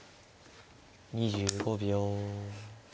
２５秒。